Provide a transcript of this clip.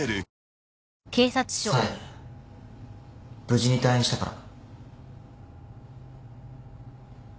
冴無事に退院したから。